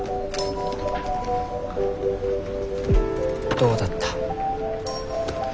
どうだった？